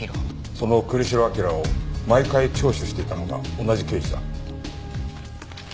その栗城明良を毎回聴取していたのが同じ刑事だ。